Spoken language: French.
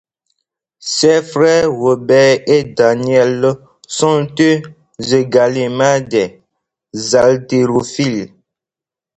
Ses frères Robert et Daniel sont eux également des haltérophiles.